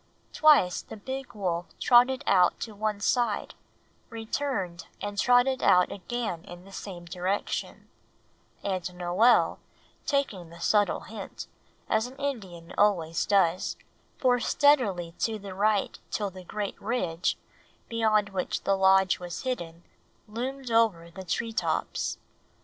Twice the big wolf trotted out to one side, returned and trotted out again in the same direction; and Noel, taking the subtle hint, as an Indian always does, bore steadily to the right till the great ridge, beyond which the Lodge was hidden, loomed over the tree tops.